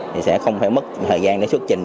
thì sẽ không phải mất thời gian để xuất trình